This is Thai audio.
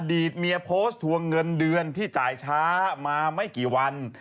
ตเมียโพสต์ทวงเงินเดือนที่จ่ายช้ามาไม่กี่วัน